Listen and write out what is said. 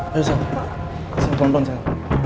ayo sel kasih konten sel